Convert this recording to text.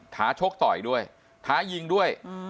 ท้าชกต่อยด้วยท้ายิงด้วย